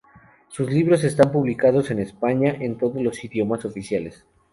Sus libros están publicados en España en todos los idiomas oficiales.